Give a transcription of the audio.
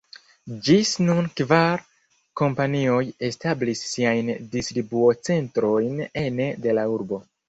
Ĝis nun kvar kompanioj establis siajn distribuocentrojn ene de la urbo.